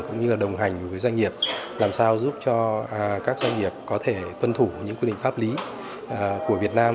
cũng như đồng hành với doanh nghiệp làm sao giúp cho các doanh nghiệp có thể tuân thủ những quy định pháp lý của việt nam